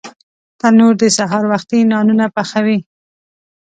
تنور د سهار وختي نانونه پخوي